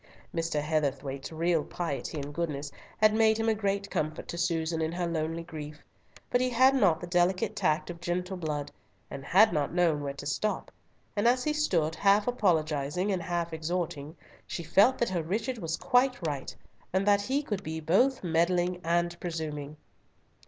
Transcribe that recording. Mr. Heatherthwayte's real piety and goodness had made him a great comfort to Susan in her lonely grief, but he had not the delicate tact of gentle blood, and had not known where to stop, and as he stood half apologising and half exhorting, she felt that her Richard was quite right, and that he could be both meddling and presuming.